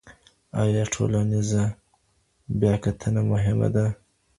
ايا ټولنيزه بياکتنه مهمه وه؟